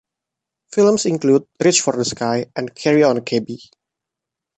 Films include "Reach for the Sky" and "Carry on Cabby".